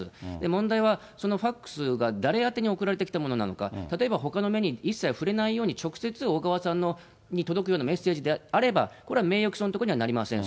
問題は、そのファックスが誰宛てに送られてきたものなのか、例えばほかの目に一切触れないように、直接小川さんに届くようなメッセージであれば、これは名誉毀損にはなりません。